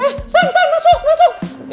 eh sam sam masuk masuk